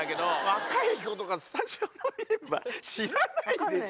若い子とかスタジオのメンバー知らないでしょ？